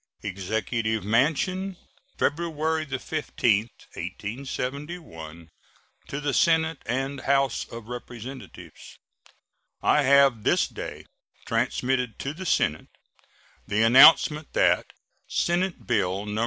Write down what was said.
EXECUTIVE MANSION, February 15, 1871. To the Senate and House of Representatives: I have this day transmitted to the Senate the announcement that Senate bill No.